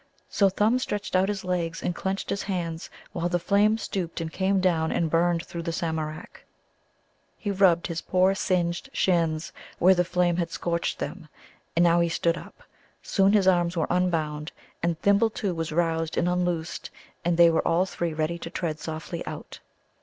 So Thumb stretched out his legs, and clenched his hands, while the flame stooped and came down, and burned through the Samarak. He rubbed his poor singed shins where the flame had scorched them. But now he stood up. Soon his arms were unbound, and Thimble, too, was roused and unloosed, and they were all three ready to tread softly out.